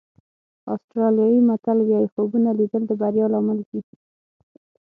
آسټرالیایي متل وایي خوبونه لیدل د بریا لامل دي.